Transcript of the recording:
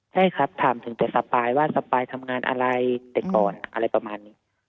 ใช่ครับถามถึงแต่สปายว่าสปายทำงานอะไรแต่ก่อนอะไรประมาณนี้